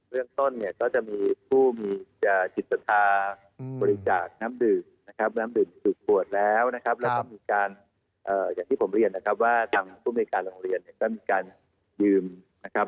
เรื่องต้นเนี่ยก็จะมีผู้มีจิตศรัทธาบริจาคน้ำดื่มนะครับน้ำดื่มจุกขวดแล้วนะครับแล้วก็มีการอย่างที่ผมเรียนนะครับว่าทางภูมิในการโรงเรียนเนี่ยก็มีการยืมนะครับ